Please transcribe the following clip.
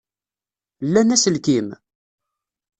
Llan aselkim?